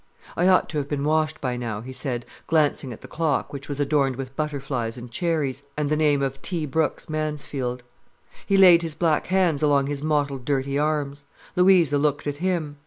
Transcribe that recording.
"I ought to have been washed by now," he said, glancing at the clock, which was adorned with butterflies and cherries, and the name of "T. Brooks, Mansfield." He laid his black hands along his mottled dirty arms. Louisa looked at him.